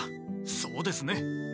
そうですね。